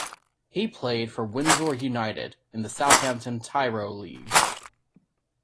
He played for Winsor United in the Southampton Tyro League.